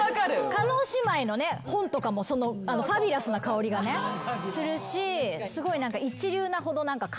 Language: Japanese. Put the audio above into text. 叶姉妹の本とかもファビュラスな香りがするしすごい。